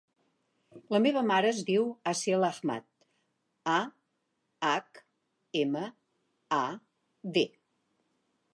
La meva mare es diu Aseel Ahmad: a, hac, ema, a, de.